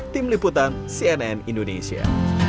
tim liputan cnn indonesia